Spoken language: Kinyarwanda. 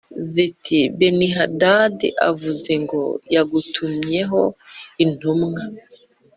ziti “Benihadadi avuze ngo yagutumyeho intumwa